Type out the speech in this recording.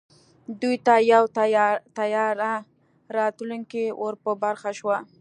دوی ته یو تیاره راتلونکی ور په برخه شو